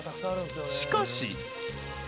［しかし］